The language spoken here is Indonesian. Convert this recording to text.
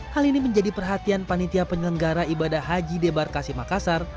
hal ini menjadi perhatian panitia penyelenggara ibadah haji debarkasi makassar